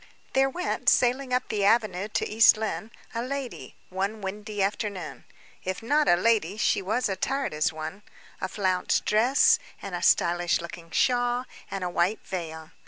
There went, sailing up the avenue to East Lynne, a lady, one windy afternoon. If not a lady, she was attired as one; a flounced dress, and a stylish looking shawl, and a white veil.